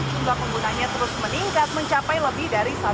jumlah penggunanya terus meningkat mencapai lebih dari satu juta orang